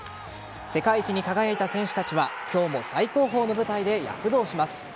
世界一に輝いた選手たちは今日も最高峰の舞台で躍動します。